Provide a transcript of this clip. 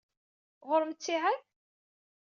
Ɣur-m ttiɛad?